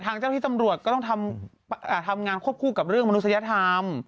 ทางเจ้าที่ตำรวจก็ต้องทำงานควบคู่กับเรื่องมนุษยธรรม